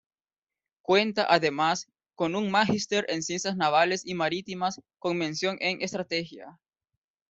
Cuenta además, con un magister en ciencias navales y marítimas con mención en estrategia.